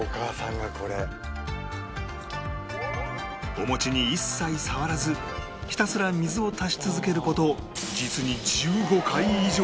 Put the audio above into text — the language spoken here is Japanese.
お餅に一切触らずひたすら水を足し続ける事実に１５回以上